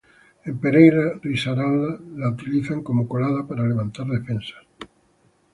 En Pereira Risaralda la utilizan como colada para levantar defensas.